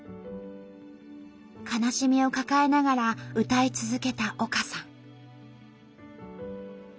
悲しみを抱えながら歌い続けた丘さん。